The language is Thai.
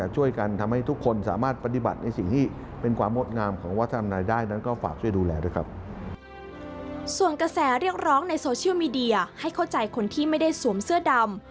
ส่วนกระแสเรียกร้องในโซเชียลมีเดียให้เข้าใจคนที่ไม่ได้สวมเสื้อดำ